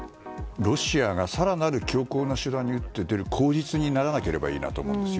ロシアが更なる強硬な手段に打って出る口実にならなければいいなと思います。